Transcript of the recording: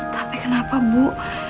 tapi kenapa bu